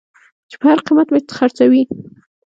چې په هر قېمت مې خرڅوې.